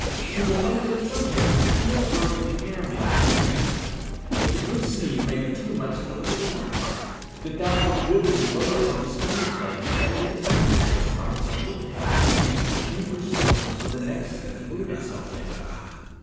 He will think that in some cases even a bird of the air may carry the matter, that the good seed may be too much for the thorns, that that which withers away upon the stony place may yet leave there, by its own decay, a deeper soil for the next seed to root itself in.